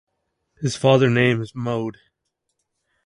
His father name is Mohd.